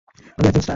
আমি একজন স্টার।